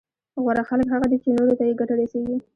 غوره خلک هغه دي چي نورو ته يې ګټه رسېږي